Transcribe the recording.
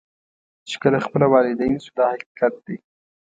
چې کله خپله والدین شو دا حقیقت دی.